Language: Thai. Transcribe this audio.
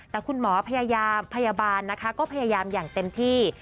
แต่คุณหมอพยาบาลก็พยายามอย่างเต็มที่